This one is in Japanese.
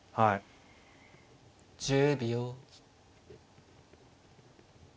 １０秒。